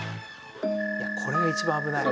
いやこれが一番危ない。